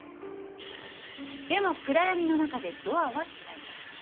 でも暗闇の中でドアは開いた。